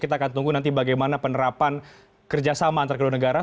kita akan tunggu nanti bagaimana penerapan kerjasama antar kedua negara